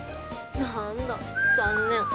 なんだ残念。